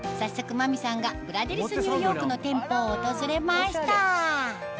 真美さんがブラデリスニューヨークの店舗を訪れました